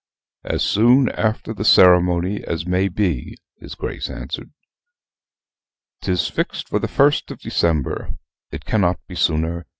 "As soon after the ceremony as may be," his Grace answered. "'Tis fixed for the first of December: it cannot be sooner.